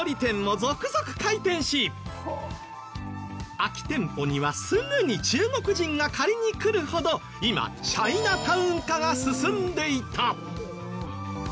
空き店舗にはすぐに中国人が借りに来るほど今チャイナタウン化が進んでいた。